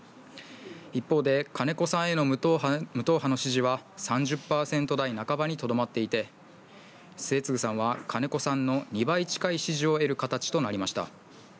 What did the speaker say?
一方で金子さんへの無党派の支持は３０％代半ばにとどまっていて、末次さんは金子さんの２倍近い支持を得る形となりました。